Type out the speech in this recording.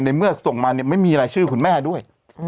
เมื่อส่งมาเนี่ยไม่มีรายชื่อคุณแม่ด้วย